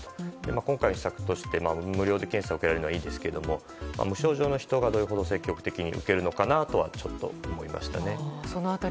今回は無料で検査を受けられるのはいいですけど無症状の人が、どれほど積極的に受けるのかなと思いましたね。